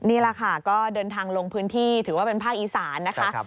นี่แหละค่ะก็เดินทางลงพื้นที่ถือว่าเป็นภาคอีสานนะคะ